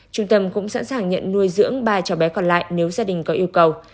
trung tâm cũng sẵn sàng nhận nuôi dưỡng ba cháu bé còn lại nếu gia đình có yêu cầu